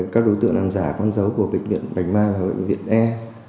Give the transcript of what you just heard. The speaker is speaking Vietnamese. các đối tượng làm giả con dấu của bệnh viện bạch mai và bệnh viện e